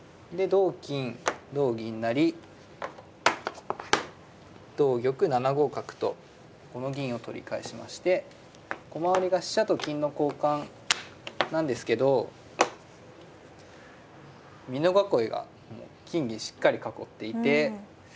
同金同銀成同玉７五角とこの銀を取り返しまして駒割りが飛車と金の交換なんですけど美濃囲いがもう金銀しっかり囲っていて。